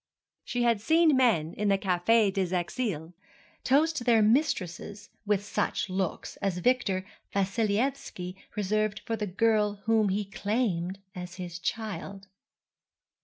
She had seen men, in the Café des Exiles, toast their mistresses with such looks as Victor Vassilyevski reserved for the girl whom he claimed as his child.